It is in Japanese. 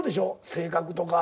性格とか。